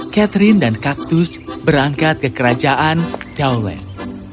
catherine dan kaktus berangkat ke kerajaan dauland